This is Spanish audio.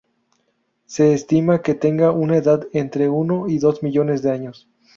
Se estima que tenga una edad entre uno y dos millones de años.